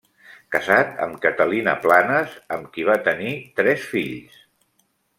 Casat amb Catalina Planes amb qui va tenir tres fils.